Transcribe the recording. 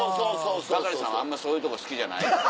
バカリさんはあんまそういうとこ好きじゃないとか。